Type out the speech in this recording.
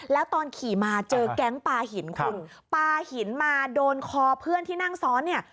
แล้วตอนขี่มาเจอแก๊งปลาหินคุณปลาหินมาโดนคอเพื่อนที่นั่งซ้อนเนี่ย